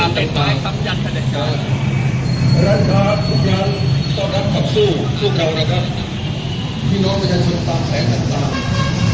เมื่อกี้พวกเขาจะสู้กับสู้เก่าพวกเขาจะสู้กับสู้แสน